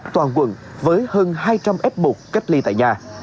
toàn quận với hơn hai trăm linh f một cách ly tại nhà